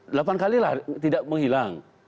delapan kali lah tidak menghilang